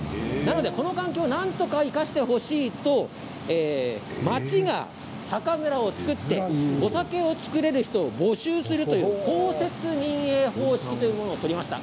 この環境をなんとか生かしてほしいと町が酒蔵を作ってお酒を造れる人を募集するという公設民営方式というものを作りました。